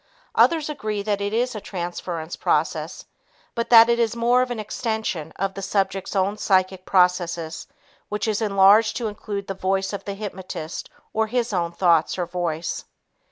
Others agree that it is a transference process, but that it is more of an extension of the subject's own psychic processes which is enlarged to include the voice of the hypnotist or his own thoughts or voice.